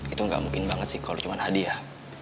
itu gak mungkin banget sih kalo cuma hadiah